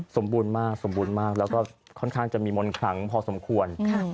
สมบูรณ์มากแล้วก็ค่อนข้างจะมีมนต์ขังพอสมควร